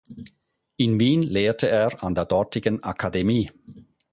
In Wien lehrte er an der dortigen Akademie.